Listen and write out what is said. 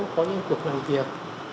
có những cuộc làm việc